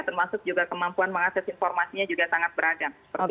termasuk juga kemampuan mengakses informasinya juga sangat beragam